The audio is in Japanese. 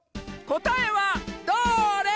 こたえはどれ？